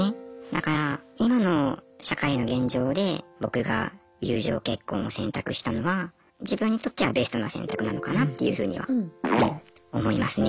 だから今の社会の現状で僕が友情結婚を選択したのは自分にとってはベストな選択なのかなっていうふうには思いますね。